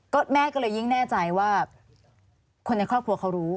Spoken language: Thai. ก็แม่ก็เลยยิ่งแน่ใจว่าคนในครอบครัวเขารู้